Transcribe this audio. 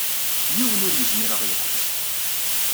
Yiwen ur yezmir ad aɣ-yeḥbes.